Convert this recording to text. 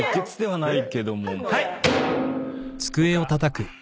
はい！